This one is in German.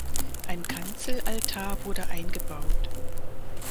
Ein Kanzelaltar wurde eingebaut.